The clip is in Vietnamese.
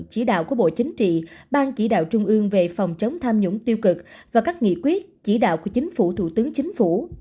chỉ đạo của bộ chính trị ban chỉ đạo trung ương về phòng chống tham nhũng tiêu cực và các nghị quyết chỉ đạo của chính phủ thủ tướng chính phủ